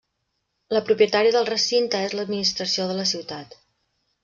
La propietària del recinte és l'administració de la ciutat.